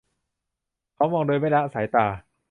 เขามองโดยไม่ละสายตา